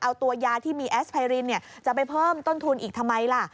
เอาตัวยาที่มีแอสไพรินจะไปเพิ่มต้นทุนอีกทำไมล่ะ